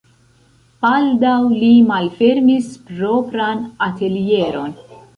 Baldaŭ li malfermis propran atelieron.